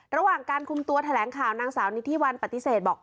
ระหว่างการคุมตัวแถลงข่าวนางสาวนิธิวันปฏิเสธบอก